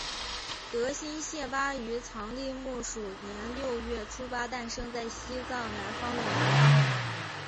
德新谢巴于藏历木鼠年六月初八诞生在西藏南方的娘当。